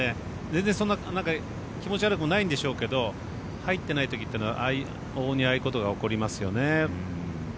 全然そんな気持ち悪くないんでしょうけど入ってないときというのは往々にああいうことが起こりますよね。